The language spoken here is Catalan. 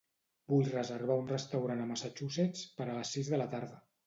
Vull reservar un restaurant a Massachusetts per a les sis de la tarda.